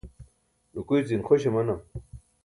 nukuycin xoś amanam